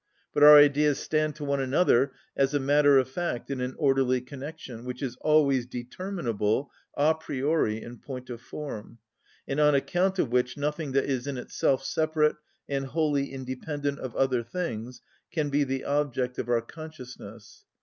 But our ideas stand to one another as a matter of fact in an orderly connection, which is always determinable a priori in point of form, and on account of which nothing that is in itself separate and wholly independent of other things can be the object of our consciousness.